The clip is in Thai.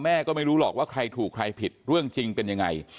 ก็ไม่รู้หรอกว่าใครถูกใครผิดเรื่องจริงเป็นยังไง